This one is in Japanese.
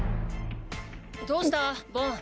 どうしたボン。